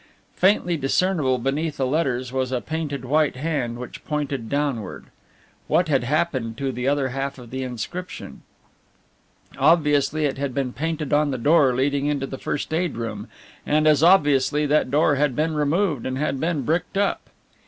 Faintly discernible beneath the letters was a painted white hand which pointed downward. What had happened to the other half of the inscription? Obviously it had been painted on the door leading into the first aid room and as obviously that door had been removed and had been bricked up.